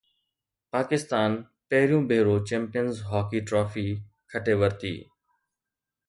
پاڪستان پهريون ڀيرو champions hockey trophy کٽي ورتي